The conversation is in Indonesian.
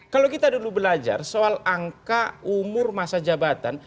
kalau kita dulu belajar soal angka umur masa jabatan